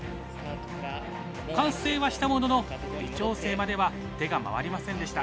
完成はしたものの微調整までは手が回りませんでした。